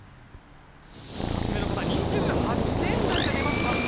２つ目の形２８点台が出ました！